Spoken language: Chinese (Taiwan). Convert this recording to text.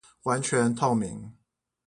完全透明